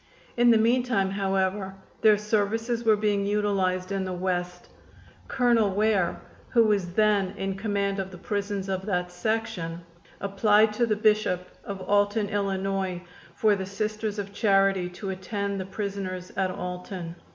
In the meantime, however, their services were being utilized in the West. Colonel Ware, who was then in command of the prisons of that section, applied to the Bishop of Alton, Ill., for the Sisters of Charity to attend the prisoners at Alton.